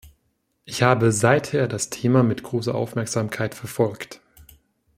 Ich habe seither das Thema mit großer Aufmerksamkeit verfolgt.